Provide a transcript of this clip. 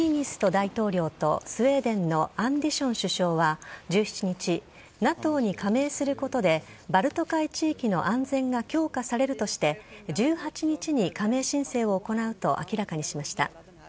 大統領とスウェーデンのアンデション首相は１７日ＮＡＴＯに加盟することでバルト海地域の安全が強化されるとして１８日に加盟申請を行うと明らかにしました。